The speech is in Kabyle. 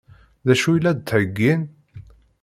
D acu i la d-ttheggin?